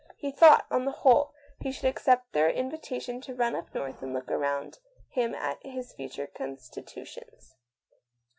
He thought, on the whole, he should accept their invitation to run up north and look around him at his future constitu ents.